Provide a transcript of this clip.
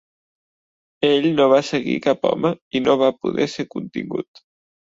Ell "no va seguir cap home" i "no va poder ser contingut".